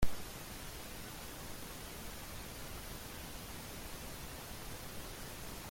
Era operada por la Reichs-Rundfunk-Gesellschaft.